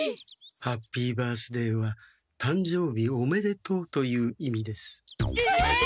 「ハッピー・バースデー」は「たんじょうびおめでとう」という意味です。え！？